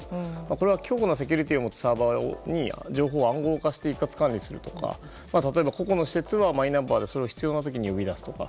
これは強固なセキュリティーを持つサーバーに情報を暗号化して一括管理したり例えば個々の施設はマイナンバーで必要な時に呼び出すとか。